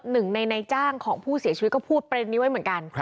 หนึ่งในในจ้างของผู้เสียชีวิตก็พูดประเด็นนี้ไว้เหมือนกัน